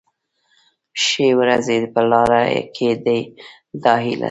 ښې ورځې په لاره کې دي دا هیله ده.